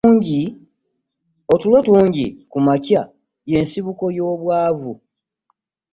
Otulo otungi kumakya y'ensibuko y'obwavu.